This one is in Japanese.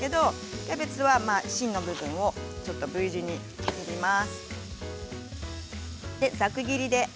キャベツは芯の部分をＶ字に切ります。